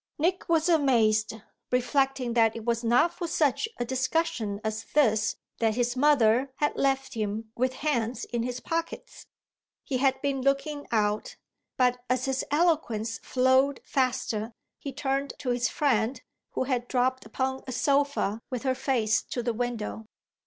Nick was amazed, reflecting that it was not for such a discussion as this that his mother had left him with hands in his pockets. He had been looking out, but as his eloquence flowed faster he turned to his friend, who had dropped upon a sofa with her face to the window.